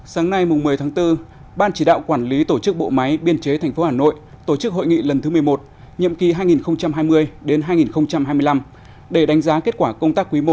sáng nay một mươi tháng bốn ban chỉ đạo quản lý tổ chức bộ máy biên chế tp hà nội tổ chức hội nghị lần thứ một mươi một nhiệm kỳ hai nghìn hai mươi hai nghìn hai mươi năm để đánh giá kết quả công tác quý i